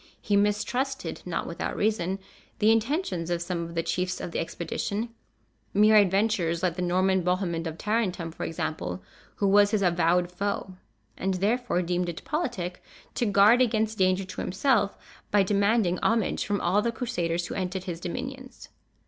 He mistrusted, not without reason, the intentions of some of the chiefs of the expedition, mere adventurers, like the Norman Bohemond of Tarentum for example, who was his avowed foe, and therefore deemed it politic to guard against danger to himself by demanding homage from all the Crusaders who entered his dominions.